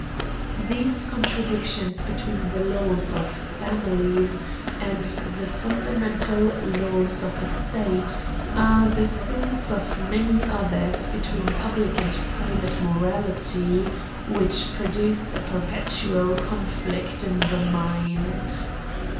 These contradictions between the laws of fami lies and the fundamental laws of a state are the source of many others between public and private morality, which produce a perpetual conflict in the mind.